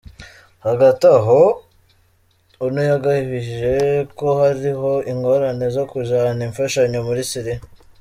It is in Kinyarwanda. Hagati aho, Onu yagabishije ko hariho ingorane zo kujana imfashanyo muri Syria.